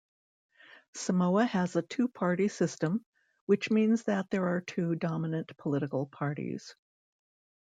Samoa has a two-party system, which means that there are two dominant political parties.